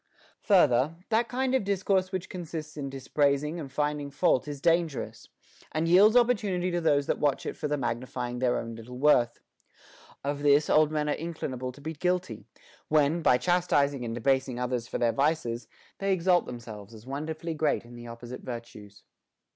20. Further, that kind of discourse which consists in dispraising and finding fault is dangerous, and yields op portunity to those that watch it for the magnifying their own little worth. Of this old men are inclinable to be guilty, when, by chastising and debasing others for their vices, they exalt themselves as wonderfully great in the opposite virtues.